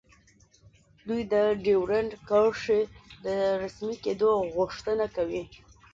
دوی د ډیورنډ کرښې د رسمي کیدو غوښتنه کوي